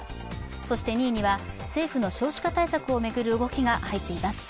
そして２位には、政府の少子化対策を巡る動きが入っています。